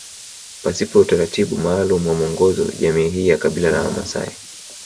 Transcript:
Pasipo utaratibu maalumu na mwongozo jamii hii ya kabila la wamaasai